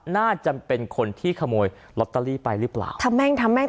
น่าจะเป็นคนที่ขโมยล็อตเตอรี่ไปรึเปล่าทำแม่งทำแม่ง